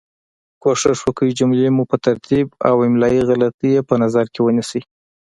کوښښ وکړئ جملې مو په ترتیب او املایي غلطې یي په نظر کې ونیسۍ